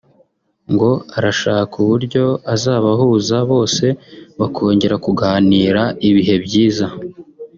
ngo arashaka uburyo azabahuza bose bakongera kuganira ibihe byiza